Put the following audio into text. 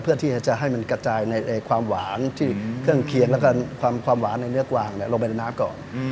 เพื่อที่จะให้มันกระจายในความหวานที่เครื่องเคียงแล้วก็ความหวานในเนื้อกวางลงไปในน้ำก่อน